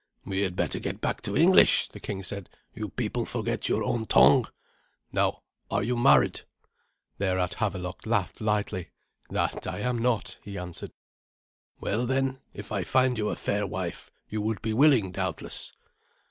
"We had better get back to English!" the king said; "you people forget your own tongue. Now, are you married?" Thereat Havelok laughed lightly. "That I am not," he answered. "Well, then, if I find you a fair wife, you would be willing, doubtless?"